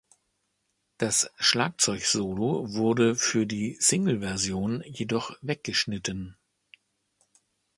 Das Schlagzeugsolo wurde für die Singleversion jedoch weggeschnitten.